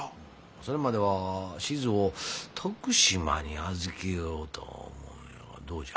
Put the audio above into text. それまでは志津を徳島に預けようと思うがどうじゃ？